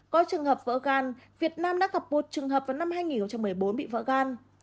có trường hợp vỡ gan việt nam đã gặp một trường hợp vào năm hai nghìn một mươi bốn bị vỡ gan